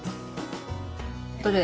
どれ？